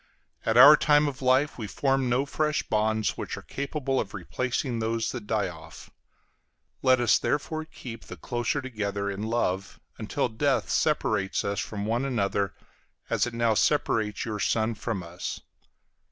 At our time of life we form no fresh bonds which are capable of replacing those that die off. Let us therefore keep the closer together in love until death separates us from one another, as it now separates your son from us.